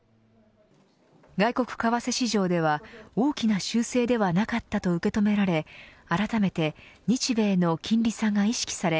外国為替市場では大きな修正ではなかったと受け止められあらためて日米の金利差が意識され